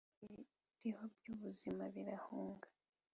ibiriho byubuzima birahunga